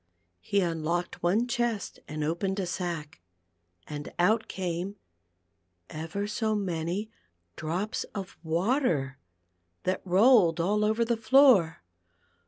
He unlocked one chest and opened a sack, and out came ever so many drops of water, that rolled all over the floor.